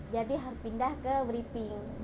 jadi harus pindah ke wrapping